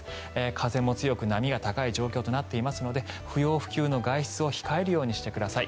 風も強く波が高い状況となっていますので不要不急の外出を控えるようにしてください。